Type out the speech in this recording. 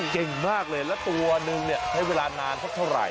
เก่งมากเลยแล้วตัวนึงเนี่ยใช้เวลานานสักเท่าไหร่